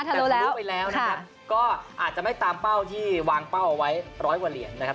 แต่ทะลุไปแล้วนะครับก็อาจจะไม่ตามเป้าที่วางเป้าเอาไว้ร้อยกว่าเหรียญนะครับ